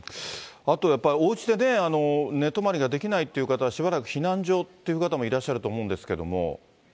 あとやっぱりおうちで寝泊まりができないという方はしばらく避難所っていう方もいらっしゃると思うんですけれども。